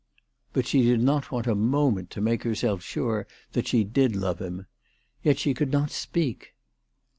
But she did not want a moment to make her self sure that she did love him. Yet she could not speak.